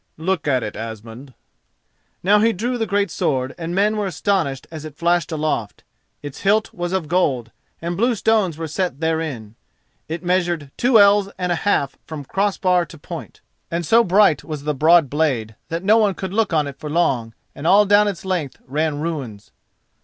Look at it, Asmund." [*] The ghost in the cairn. Now he drew the great sword, and men were astonished as it flashed aloft. Its hilt was of gold, and blue stones were set therein. It measured two ells and a half from crossbar to point, and so bright was the broad blade that no one could look on it for long, and all down its length ran runes.